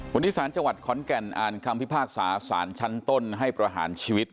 วันนี้สารจังหวัดขอนแก่นอ่านคำพิพากษาสารชั้นต้นให้ประหารชีวิต